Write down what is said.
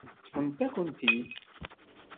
Ṭṭfent-akent-t-id.